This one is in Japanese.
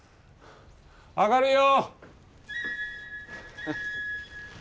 上がるよ！